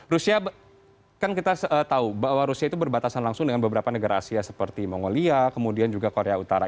rusia kan kita tahu bahwa rusia itu berbatasan langsung dengan beberapa negara asia seperti mongolia kemudian juga korea utara